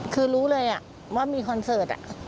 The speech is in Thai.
คือรู้เลยว่ามีคอนเสิร์ต